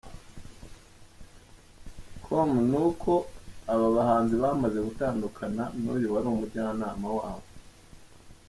com ni uko aba bahanzi bamaze gutandukana n’uyu wari umujyanama wabo.